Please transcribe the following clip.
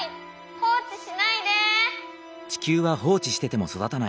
放置しないで。